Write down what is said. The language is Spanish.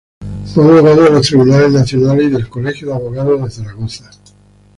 Fue abogado de los Tribunales Nacionales y del Colegio de Abogados de Zaragoza.